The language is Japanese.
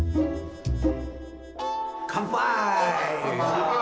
乾杯！